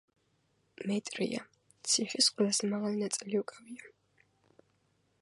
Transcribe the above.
მეტრია, ციხის ყველაზე მაღალი ნაწილი უკავია.